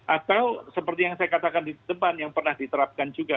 atau seperti yang saya katakan di depan yang pernah diterapkan juga